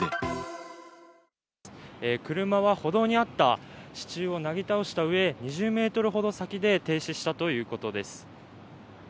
車は歩道にあった支柱をなぎ倒したうえ、２０メートルほど先で停止したということです。